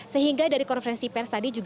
sehingga dari konferensi pers tadi juga